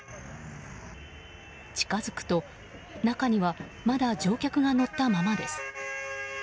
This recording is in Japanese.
近づくと中にはまだ乗客が乗ったままです。